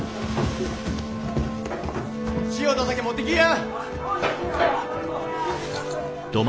塩と酒持ってきや！